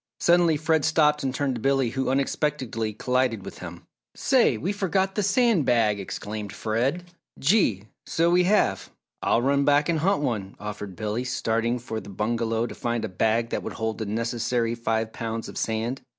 Suddenly Fred stopped and turned to Billy who unexpectedly collided with him. "Say! We forgot the sand bag!" exclaimed Fred. "Gee! So we have I'll run back and hunt one," offered Billy, starting for the bungalow to find a bag that would hold the necessary five pounds of sand.